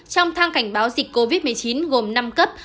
trong thang cảnh báo dịch covid một mươi chín gồm năm cấp